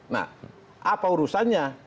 nah apa urusannya